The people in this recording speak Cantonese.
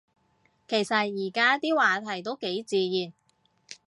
其實而家啲話題都幾自然